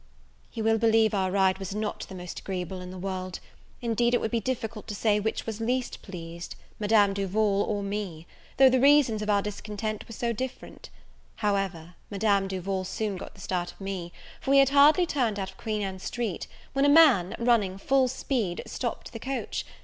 You will believe our ride was not the most agreeable in the world; indeed, it would be difficult to say which was least pleased, Madame Duval or me, though the reasons of our discontent were so different: however, Madame Duval soon got the start of me; for we had hardly turned out of Queen Ann Street, when a man, running full speed, stopt the coach.